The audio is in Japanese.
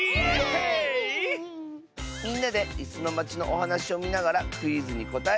みんなで「いすのまち」のおはなしをみながらクイズにこたえてもらうよ！